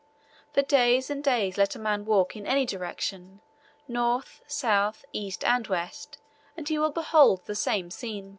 For days and days let a man walk in any direction, north, south, east, and west, and he will behold the same scene.